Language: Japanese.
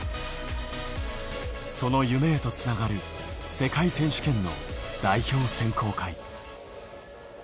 その夢へとつながる世界選手権の代表選考会。